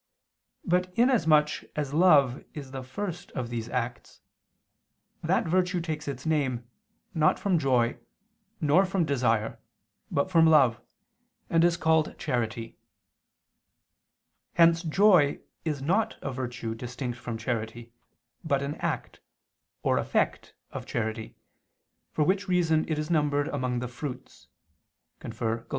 But in as much as love is the first of these acts, that virtue takes its name, not from joy, nor from desire, but from love, and is called charity. Hence joy is not a virtue distinct from charity, but an act, or effect, of charity: for which reason it is numbered among the Fruits (Gal.